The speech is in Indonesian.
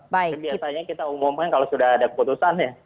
biasanya kita umumkan kalau sudah ada keputusannya